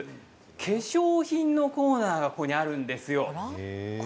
化粧品のコーナーがあるんですよ。